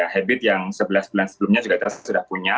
habit yang sebelas belas sebelumnya kita sudah punya